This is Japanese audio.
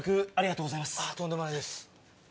とんでもないです。